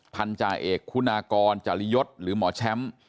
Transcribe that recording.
พันธาเอกคุณากรจริยศหรือหมอแชมป์